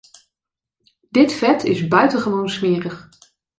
Dit vet is buitengewoon smerig.